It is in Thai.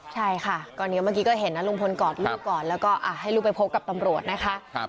ใช่ค่ะเมื่อกี้เห็นลุงพลกอดกลับลูกก่อนให้ไปพบกับจะโปรดนะคะ